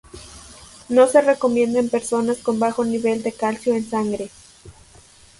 No se recomienda en personas con bajo nivel de calcio en sangre.